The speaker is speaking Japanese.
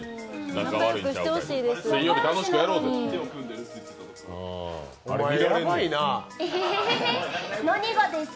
仲良くしてほしいです。